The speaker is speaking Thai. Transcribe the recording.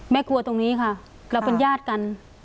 กลัวตรงนี้ค่ะเราเป็นญาติกัน